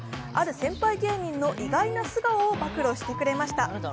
ある先輩芸人の意外な素顔を暴露してくれました。